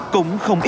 cũng không ít mặt